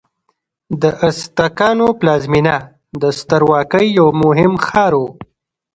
د ازتکانو پلازمینه د سترواکۍ یو مهم ښار و.